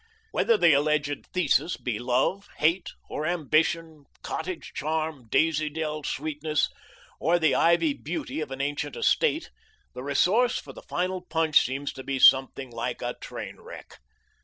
Whether the alleged thesis be love, hate, or ambition, cottage charm, daisy dell sweetness, or the ivy beauty of an ancient estate, the resource for the final punch seems to be something like a train wreck.